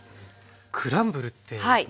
クランブルって何ですか？